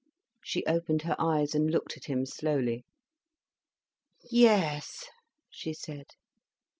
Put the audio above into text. She opened her eyes and looked at him slowly. "Yes," she said.